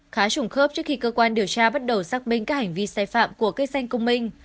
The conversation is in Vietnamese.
khá trùng khớp trước khi cơ quan điều tra bắt đầu xác minh các hành vi sai phạm của cây xanh công minh